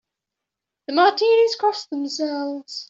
The Martinis cross themselves.